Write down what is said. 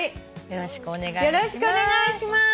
よろしくお願いします。